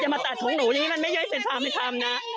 อย่ามาตัดของหนูยังงี้มันไม่เย้ยเสร็จความที่ทำนะ